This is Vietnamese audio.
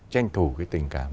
tranh thủ cái tình cảm